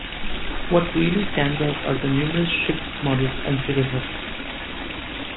What really stands out are the numerous ship models and figureheads.